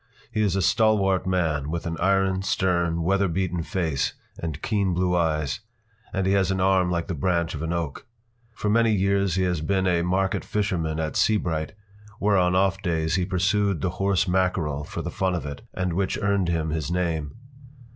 He is a stalwart man, with an iron, stern, weather beaten face and keen blue eyes, and he has an arm like the branch of an oak. For many years he has been a market fisherman at Seabright, where on off days he pursued the horse mackerel for the fun of it, and which earned him his name.